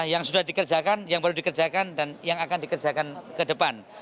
yang sudah dikerjakan yang baru dikerjakan dan yang akan dikerjakan ke depan